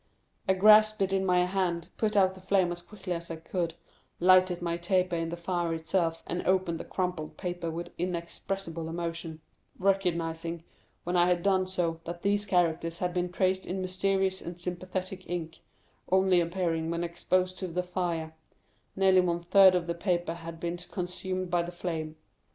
I grasped it in my hand, put out the flame as quickly as I could, lighted my taper in the fire itself, and opened the crumpled paper with inexpressible emotion, recognizing, when I had done so, that these characters had been traced in mysterious and sympathetic ink, only appearing when exposed to the fire; nearly one third of the paper had been consumed by the flame.